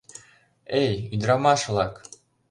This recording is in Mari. Эй, ӱдырамаш-влак!